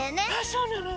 そうなの？